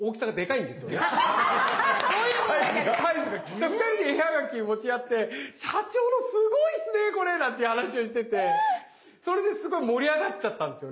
だから２人で絵はがき持ち寄って「社長のすごいっすねこれ」なんていう話をしててそれですごい盛り上がっちゃったんですよね。